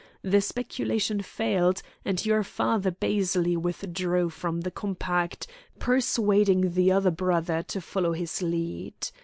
The speculation failed, and your father basely withdrew from the compact, persuading the other brother to follow his lead.